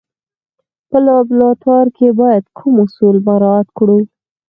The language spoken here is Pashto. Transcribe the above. په لابراتوار کې باید کوم اصول مراعات کړو.